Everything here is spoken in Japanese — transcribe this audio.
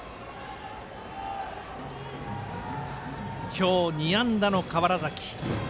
今日２安打の川原崎。